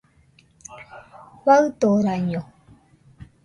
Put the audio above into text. Faɨdoraño